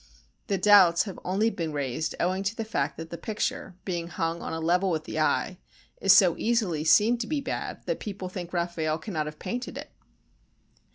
The doubts have only been raised owing to the fact that the picture, being hung on a level with the eye, is so easily seen to be bad that people think Raffaelle cannot have painted it.